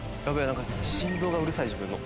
なんか心臓がうるさい自分の。